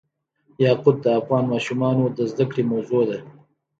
یاقوت د افغان ماشومانو د زده کړې موضوع ده.